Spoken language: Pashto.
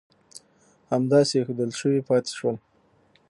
همداسې اېښودل شوي پاتې شول.